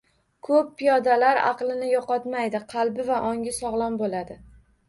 Ko'p piyodalar aqlini yo'qotmaydi, qalbi va ongi sog'lom bo'ladi